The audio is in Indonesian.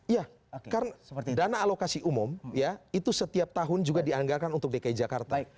iya karena dana alokasi umum ya itu setiap tahun juga dianggarkan untuk dki jakarta